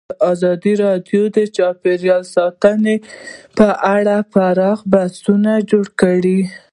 ازادي راډیو د چاپیریال ساتنه په اړه پراخ بحثونه جوړ کړي.